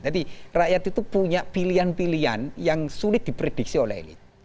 jadi rakyat itu punya pilihan pilihan yang sulit diprediksi oleh elit